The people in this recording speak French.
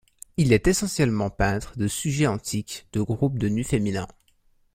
Il est essentiellement peintre de sujets antiques, de groupes de nus féminins.